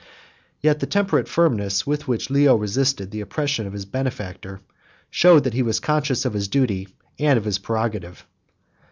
Yet the temperate firmness with which Leo resisted the oppression of his benefactor, showed that he was conscious of his duty and of his prerogative.